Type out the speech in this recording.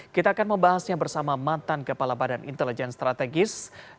kita akan membahasnya bersama mantan kepala badan intelijen strategis